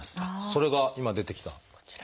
それが今出てきた。